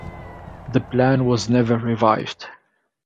The plan was never revived.